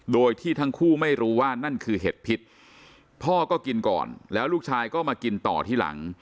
โดยที่ทั้งคู่ไม่รู้ว่านั่นคือเห็ดพิษพ่อก็กินก่อนแล้วลูกชายก็มากินต่อที่หลัง